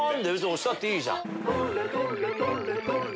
押したっていいじゃん。